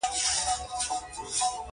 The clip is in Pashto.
ګیلاس د ناستې ښه یار دی.